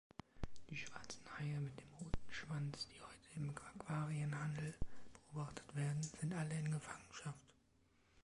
Die schwarzen Haie mit dem roten Schwanz, die heute im Aquarienhandel beobachtet werden, sind alle in Gefangenschaft.